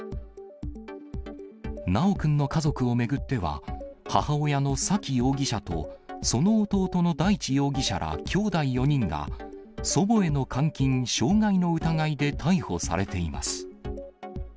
修くんの家族を巡っては、母親の沙喜容疑者と、その弟の大地容疑者ら、きょうだい４人が、祖母への監禁・傷害の疑いで逮捕されています。